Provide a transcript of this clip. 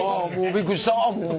びっくりしたもう！